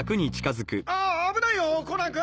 あ危ないよコナン君！